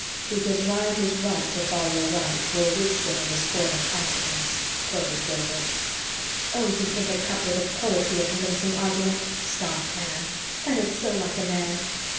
"'Because right is right to follow right Were wisdom in the scorn of consequence,'" quoted Gilbert. "Oh, you think a couplet of poetry a convincing argument!" scoffed Anne. "That is so like a man."